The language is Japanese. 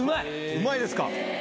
うまいですか？